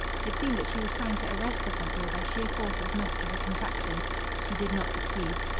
It seemed that she was trying to arrest the front door by sheer force of muscular contraction. She did not succeed.